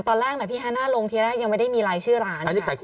ตอนแรกพี่ฮาน่าลงทีแรกยังไม่ได้มีรายชื่อร้าน